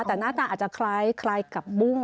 แต่หน้าตาอาจจะคล้ายกับบุ้ง